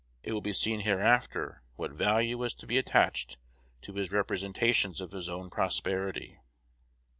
It will be seen hereafter what value was to be attached to his representations of his own prosperity.